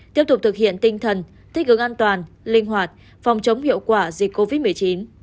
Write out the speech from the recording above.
tiếp tục thực hiện tinh thần thích ứng an toàn linh hoạt phòng chống hiệu quả dịch covid một mươi chín